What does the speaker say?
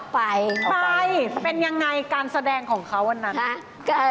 ไปไปเป็นยังไงการแสดงของเขาวันนั้น